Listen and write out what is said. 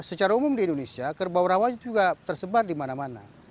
secara umum di indonesia kerbau rawa juga tersebar di mana mana